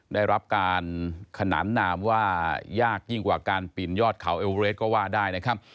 ได้รับการขนานนามว่ายากยิ่งกว่าการปิ่นยอดเขาเอลเรสก็ว่าได้นะครับ